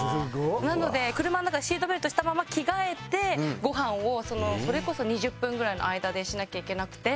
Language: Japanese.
なので車の中でシートベルトしたまま着替えてご飯をそれこそ２０分ぐらいの間でしなきゃいけなくて。